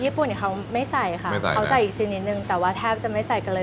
ญี่ปุ่นเขาไม่ใส่ค่ะเขาใส่อีกชิ้นนิดนึงแต่ว่าแทบจะไม่ใส่กันเลย